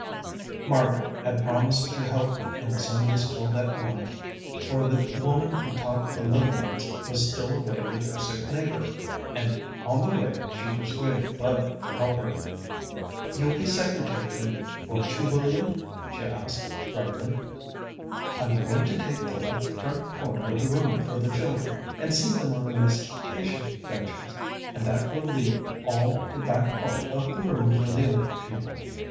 Margaret had promised to help in the Sunday school that morning, for the woman who taught the little ones was still away with her sick neighbor, and on the way she persuaded Bud to help her. "You'll be secretary for me, won't you, William?" she asked, brightly. "I'm going to take the left front corner of the room for the children, and seat them on the recitation benches, and that will leave all the back part of the room for the older people.